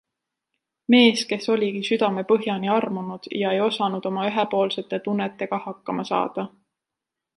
Mees, kes oligi südamepõhjani armunud ja ei osanud oma ühepoolsete tunnetega hakkama saada.